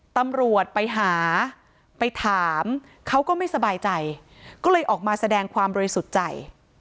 ตำรวจไปหาไปถามเขาก็ไม่สบายใจก็เลยออกมาแสดงความบริสุทธิ์ใจ